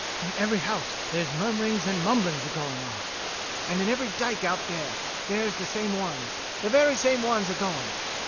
In every house there's murmur ings and mumblings a going on, and in every dyke out there there's the same ones, the very same ones a going.